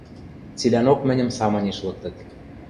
Цилӓнок мӹньӹм самынеш лыктыт.